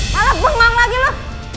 malah bengong lagi lo